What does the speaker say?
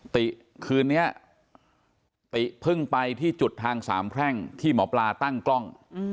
ติคืนนี้ติเพิ่งไปที่จุดทางสามแพร่งที่หมอปลาตั้งกล้อง